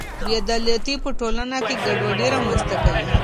بې عدالتي په ټولنه کې ګډوډي رامنځته کوي.